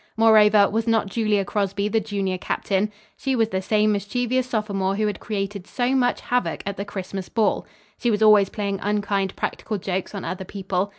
Moreover, was not Julia Crosby, the junior captain? She was the same mischievous sophomore who had created so much havoc at the Christmas ball. She was always playing unkind practical jokes on other people.